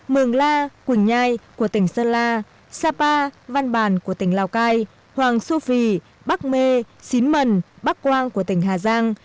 mường la quỳnh nhai của tỉnh sơn la sapa văn bàn của tỉnh lào cai hoàng su phi bắc mê xín mần bắc quang của tỉnh hà giang